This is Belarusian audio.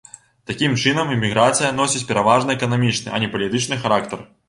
Такім чынам, эміграцыя носіць пераважна эканамічны, а не палітычны характар.